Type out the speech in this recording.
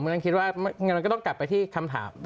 คือผมก็คิดว่าก็ต้องกลับไปที่คำถาม